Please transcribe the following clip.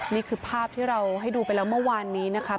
นี่คือภาพที่เราให้ดูไปแล้วเมื่อวานนี้นะคะ